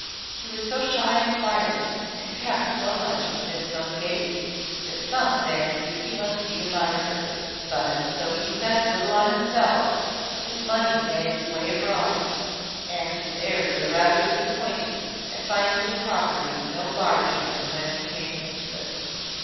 He was so shy and quiet, and kept so much within his own gate, that some fancied he must be a miser: but though he spent little on himself, his money made its way abroad, and his heirs are rather disappointed at finding the property no larger than when he came into it.